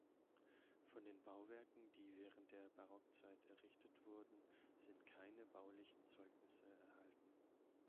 Von den Bauwerken, die während der Barockzeit errichtet wurden, sind keine baulichen Zeugnisse erhalten.